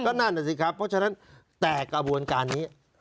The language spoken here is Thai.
นั่นน่ะสิครับเพราะฉะนั้นแต่กระบวนการนี้